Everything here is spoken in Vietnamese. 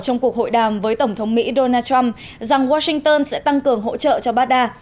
trong cuộc hội đàm với tổng thống mỹ donald trump rằng washington sẽ tăng cường hỗ trợ cho baghdad